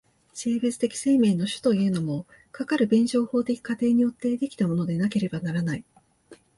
生物的生命の種というものも、かかる弁証法的過程によって出来たものでなければならない。